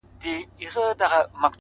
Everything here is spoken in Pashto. د ژوندون ساز كي ائينه جوړه كړي؛